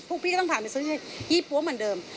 พี่ก็ต้องพาไปซื้อให้ยี่ปั๊วเหมือนเดิม